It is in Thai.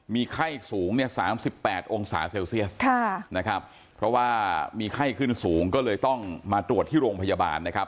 มีไข้สูงเนี่ย๓๘องศาเซลเซียสนะครับเพราะว่ามีไข้ขึ้นสูงก็เลยต้องมาตรวจที่โรงพยาบาลนะครับ